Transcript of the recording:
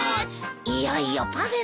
いよいよパフェの日